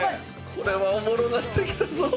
これはおもろなってきたぞ。